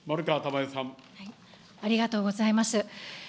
ありがとうございます。